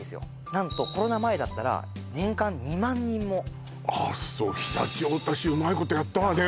何とコロナ前だったら年間２万人もあっそう常陸太田市うまいことやったわね